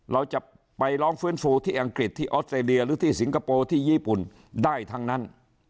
เราจะไปร้องฟื้นฟูที่อังกฤษที่ออสเตรเลียหรือที่สิงคโปร์ที่ญี่ปุ่นได้ทั้งนั้น